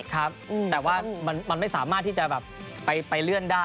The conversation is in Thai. ครับแต่ว่ามันไม่สามารถที่จะแบบไปเลื่อนได้